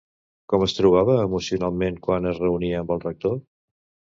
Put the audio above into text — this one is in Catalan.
Com es trobava emocionalment quan es reunia amb el rector?